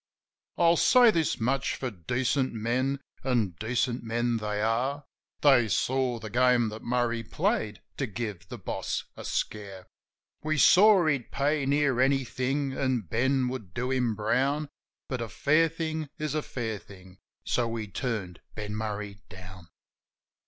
I'll say this much for decent men — an' decent men they were — They saw the game that Murray played to give the boss a scare. We saw he'd pay near anything and Ben would do hirn brown ; But a fair thing is a fair thing; so we turned Ben Murray down.